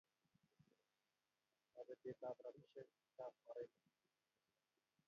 mo betet ab robishe chitap orenyuu